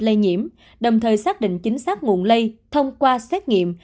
lây nhiễm đồng thời xác định chính xác nguồn lây thông qua xét nghiệm